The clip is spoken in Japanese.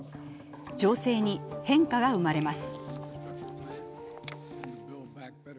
情勢に変化が生まれます。